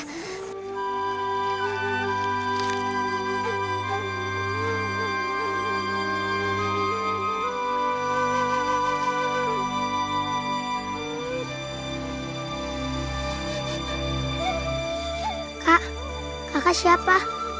kak kakak siapa